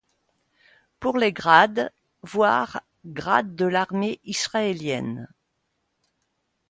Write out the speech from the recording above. Pour les grades voir Grades de l'armée israélienne.